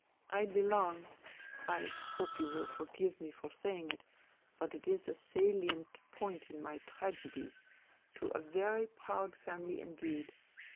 I belong (I hope you will forgive me for saying it, but it is a salient point in my tragedy) to a very proud family indeed.